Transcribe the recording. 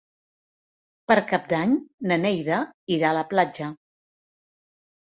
Per Cap d'Any na Neida irà a la platja.